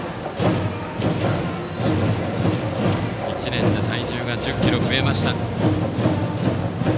１年で体重が１０ｋｇ増えました。